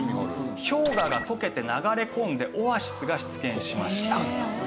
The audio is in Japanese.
氷河が解けて流れ込んでオアシスが出現しました。